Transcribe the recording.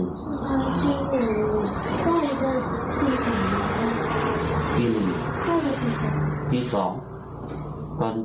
พอตื่นที่สอง